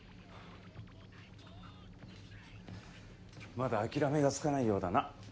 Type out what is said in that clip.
まだ諦めがつかないようだな。